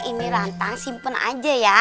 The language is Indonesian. ini rantang simpen aja ya